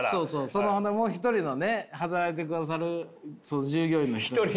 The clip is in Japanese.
そのもう一人のね働いてくださるその従業員の人に。